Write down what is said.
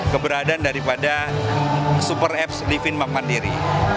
keberadaan daripada super apps living bank mandiri